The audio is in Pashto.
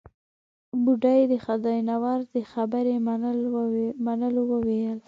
بوډۍ د خداينور د خبرې منلو وويل.